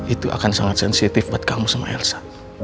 itu akan sangat sensitif buat kamu sama elsa